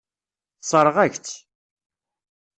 Tessṛeɣ-ak-tt.